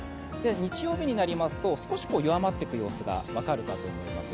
日曜日になりますと少し弱まっていく様子が分かるかと思います。